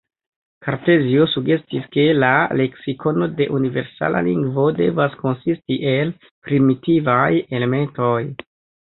Kartezio sugestis ke la leksikono de universala lingvo devas konsisti el primitivaj elementoj.